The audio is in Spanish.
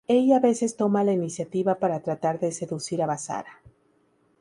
Ella a veces toma la iniciativa para tratar de seducir a Basara.